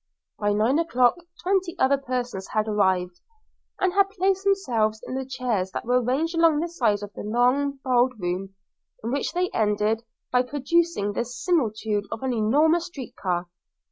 By nine o'clock twenty other persons had arrived, and had placed themselves in the chairs that were ranged along the sides of the long, bald room, in which they ended by producing the similitude of an enormous street car.